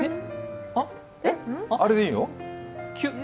あれでいいの？